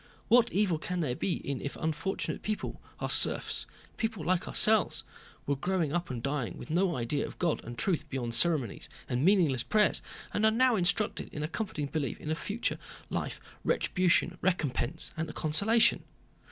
What evil can there be in it if unfortunate people, our serfs, people like ourselves, were growing up and dying with no idea of God and truth beyond ceremonies and meaningless prayers and are now instructed in a comforting belief in future life, retribution, recompense, and consolation?